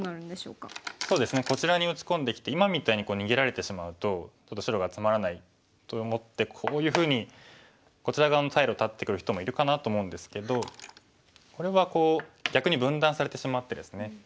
こちらに打ち込んできて今みたいに逃げられてしまうとちょっと白がつまらないと思ってこういうふうにこちら側の退路を断ってくる人もいるかなと思うんですけどこれは逆に分断されてしまってですね